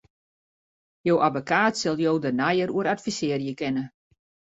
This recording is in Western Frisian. Jo abbekaat sil jo dêr neier oer advisearje kinne.